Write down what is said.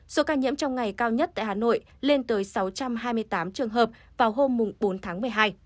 số ca nhiễm trong ngày cao nhất tại hà nội lên tới sáu trăm hai mươi tám trường hợp vào hôm bốn tháng một mươi hai